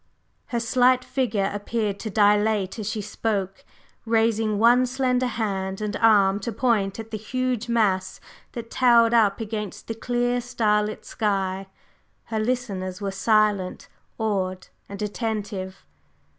Her slight figure appeared to dilate as she spoke, raising one slender hand and arm to point at the huge mass that towered up against the clear, starlit sky. Her listeners were silent, awed and attentive.